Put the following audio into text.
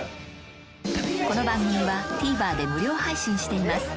この番組はＴＶｅｒで無料配信しています